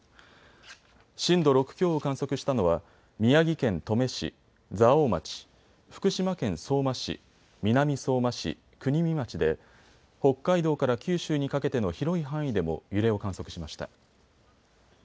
震度６強を観測したのは宮城県登米市、蔵王町、福島県相馬市、南相馬市、国見町で北海道から九州にかけての広い範囲でも揺れを観測しました。